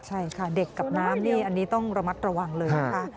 ใช่ค่ะเด็กกับน้ำนี่อันนี้ต้องระมัดระวังเลยนะคะ